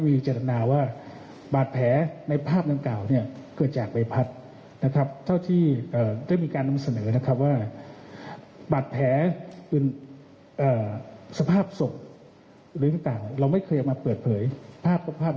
มีการนำภาพข่าวจากไทยแรงต่างและอาจจะนำเสนอข้อมูลที่ไม่พรอบครอบครอบทวน